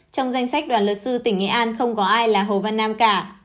trong danh sách đoàn luật sư tỉnh nghệ an không có ai là hồ văn nam cả